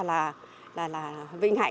là vinh hạnh